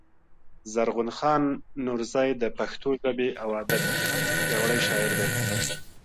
زرغون خان نورزى د پښتو ژبـي او ادب پياوړی شاعر دﺉ.